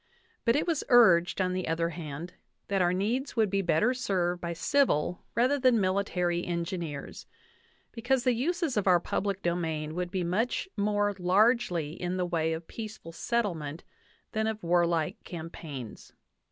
But it was urged, on the other hand, that our needs would be better served by civil rather than by mili tary engineers, because the uses of our public domain would be much more largely in the way of peaceful settlement than of warlike campaigns.